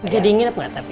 jadi ingin apa gak tapi